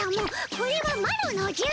これはマロのじゃ！